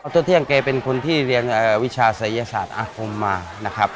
โทษเที่ยงเป็นคนที่เรียงวิชาศัยยศาสตร์อาคมมา